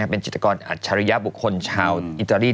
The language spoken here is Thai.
เป็นจิตกรอัชริยบุคคลชาวอิตาลี